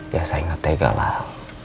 ya saya nggak tega lah